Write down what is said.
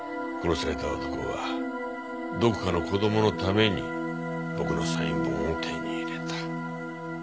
殺された男はどこかの子供のために僕のサイン本を手に入れた。